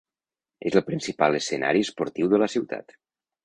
És el principal escenari esportiu de la ciutat.